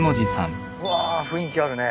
うわ雰囲気あるね。